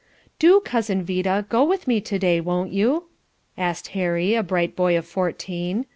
"Do, cousin Vida, go with me to day, won't you?" asked Harry, a bright boy of fourteen.